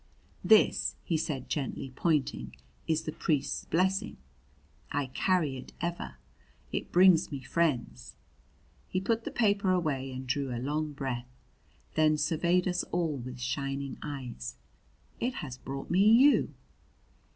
"This," he said gently, pointing, "is the priest's blessing. I carry it ever. It brings me friends." He put the paper away and drew a long breath; then surveyed us all with shining eyes. "It has brought me you."